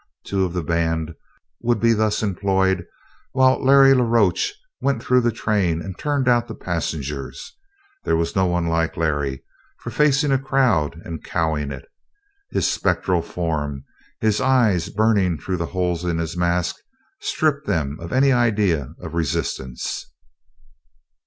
Two of the band would be thus employed while Larry la Roche went through the train and turned out the passengers. There was no one like Larry for facing a crowd and cowing it. His spectral form, his eyes burning through the holes in his mask, stripped them of any idea of resistance.